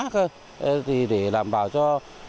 thế thì để làm bảo cho